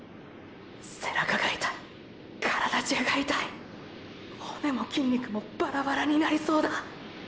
背中が痛い体中が痛い骨も筋肉もバラバラになりそうだ。